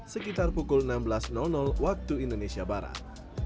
sekitar pukul enam belas waktu indonesia barat